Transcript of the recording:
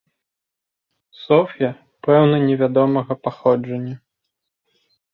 Соф'я, пэўна не вядомага паходжання.